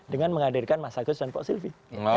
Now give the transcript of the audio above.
dengan menghadirkan mas agus dan pak silvi